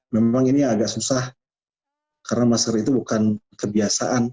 memang ini agak susah karena masker itu bukan kebiasaan